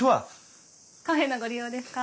カフェのご利用ですか？